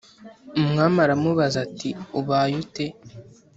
Umwami aramubaza ati “Ubaye ute?”